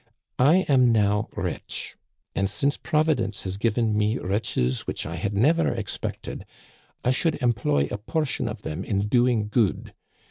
I am now rich, and since Providence has given me riches which I had never expected, I should employ a portion of them in doing good.